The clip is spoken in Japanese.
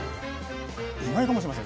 意外かもしれません。